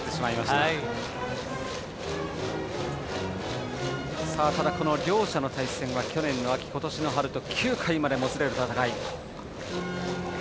ただこの両者の対戦は去年の秋、今年の春と９回までもつれる戦い。